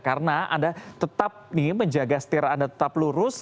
karena anda tetap nih menjaga setir anda tetap lurus